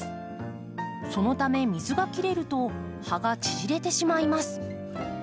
そのため水が切れると葉が縮れてしまいます。